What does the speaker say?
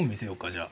じゃあ。